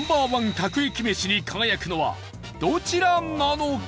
各駅めしに輝くのはどちらなのか？